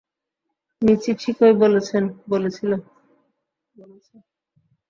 মিচি ঠিকই বলেছেল।